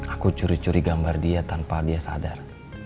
aku curi curi gambar dia tanpa dia sadar